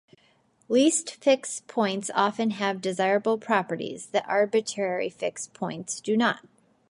Least fixed points often have desirable properties that arbitrary fixed points do not.